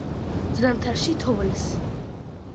ზამთარში თოვლს